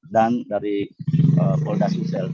dan dari polri dasusel